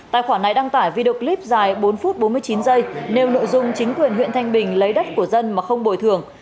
tài khoản này đăng tải video clip dài bốn phút bốn mươi chín giây nếu nội dung chính quyền huyện thanh bình lấy đất của dân mà không bồi thường